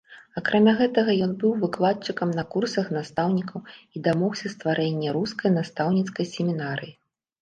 Акрамя гэтага ён быў выкладчыкам на курсах настаўнікаў і дамогся стварэння рускай настаўніцкай семінарыі.